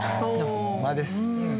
間です。